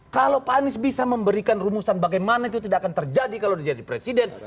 kalau pak anies bisa memberikan rumusan bagaimana itu tidak akan terjadi kalau dia jadi presiden